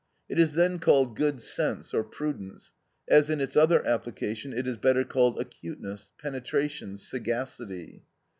It is then called good sense or prudence, as in its other application it is better called acuteness, penetration, sagacity.